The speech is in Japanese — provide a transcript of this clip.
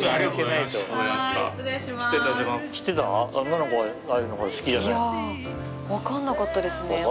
いやわからなかったですね。